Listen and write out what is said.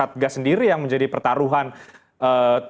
kita jawab nanti kami akan segera kembali sesaat lagi